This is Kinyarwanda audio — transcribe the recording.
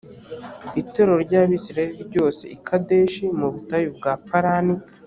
itorero ry’abisirayeli ryose i kadeshi mu butayu bwa parani